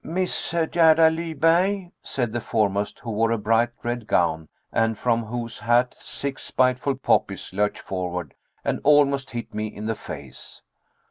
"Miss Gerda Lyberg?" said the foremost, who wore a bright red gown, and from whose hat six spiteful poppies lurched forward and almost hit me in the face.